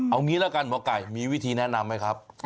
เอางี้ละกันหมอไก่มีวิธีแนะนำไหมครับ